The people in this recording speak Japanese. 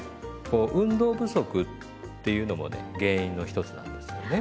こう運動不足っていうのもね原因の一つなんですよね。